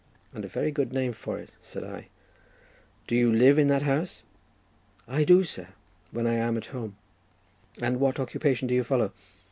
"And a very good name for it," said I; "do you live in that house?" "I do, sir, when I am at home." "And what occupation do you follow?"